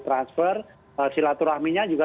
transfer silaturahminya juga